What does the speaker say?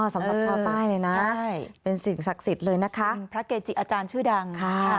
สำหรับชาวใต้เลยนะเป็นสิ่งศักดิ์สิทธิ์เลยนะคะพระเกจิอาจารย์ชื่อดัง